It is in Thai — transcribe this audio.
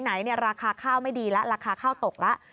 ไหนราคาข้าวไม่ดีแล้วราคาข้าวตกแล้ว